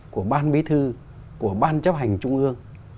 của ban bí thư của ban chấp hành trung ương